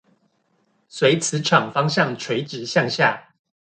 隨磁場方向垂直向下